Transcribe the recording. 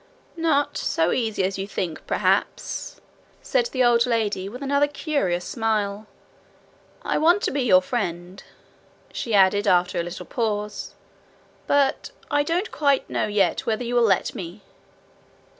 'Not so easy as you think, perhaps,' said the old lady, with another curious smile. 'I want to be your friend,' she added after a little pause, 'but I don't quite know yet whether you will let me.'